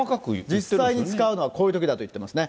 実際に使うのはこういうときだと言ってますね。